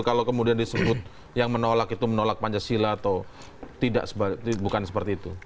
kalau kemudian disebut yang menolak itu menolak pancasila atau bukan seperti itu